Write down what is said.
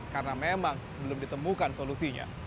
karena memang belum ditemukan solusinya